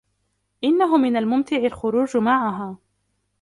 إنهُ من الممتع الخروج معها.